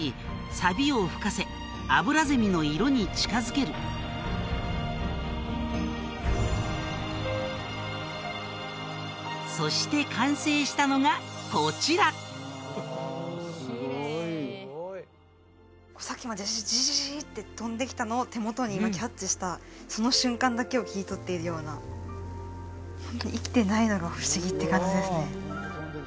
さびをふかせアブラゼミの色に近づけるそして完成したのがこちらさっきまでジジジジーッて飛んできたのを手元に今キャッチしたその瞬間だけを切り取っているようなって感じですね